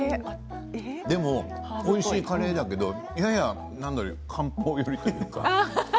でもおいしいカレーだけどやや漢方寄りというか。